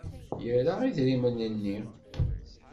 Yerra idrimen-nni.